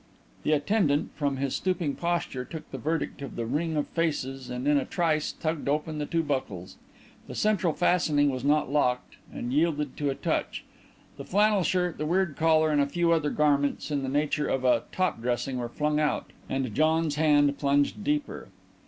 The attendant, from his stooping posture, took the verdict of the ring of faces and in a trice tugged open the two buckles. The central fastening was not locked, and yielded to a touch. The flannel shirt, the weird collar and a few other garments in the nature of a "top dressing" were flung out and John's hand plunged deeper....